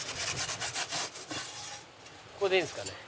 これでいいんですかね？